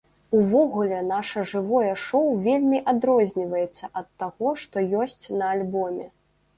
Увогуле, наша жывое шоў вельмі адрозніваецца ад таго, што ёсць на альбоме.